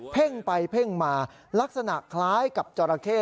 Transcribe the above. เพ่งไปเพ่งมาลักษณะคล้ายกับจราเข้